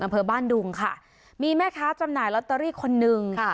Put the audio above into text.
อำเภอบ้านดุงค่ะมีแม่ค้าจำหน่ายลอตเตอรี่คนนึงค่ะ